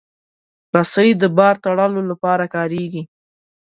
رسۍ د بار تړلو لپاره کارېږي.